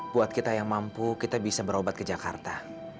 buat kita yang mampu kita bisa berobat ke jakarta